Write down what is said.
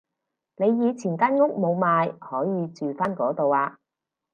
你以前間屋冇賣可以住返嗰度啊